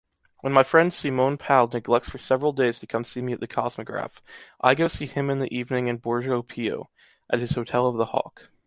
When my friend Simon Pau neglects for several days to come see me at the Kosmograph, I go see him in the evening in Borgo Pio, at his Hotel of the Hawk.